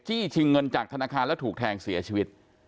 ชิงเงินจากธนาคารแล้วถูกแทงเสียชีวิต